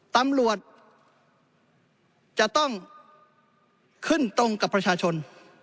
ตำรวจจะต้องขึ้นตรงกับประชาชน